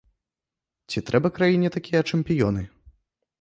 Ці трэба краіне такія чэмпіёны?